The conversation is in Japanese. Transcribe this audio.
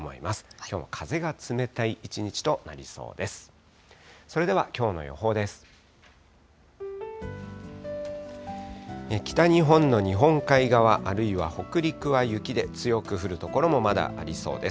きょうも風が冷たい一日となりそうです。